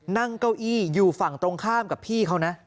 นั่งเก้าอี้อยู่ฝั่งตรงข้ามกับพี่เขานะ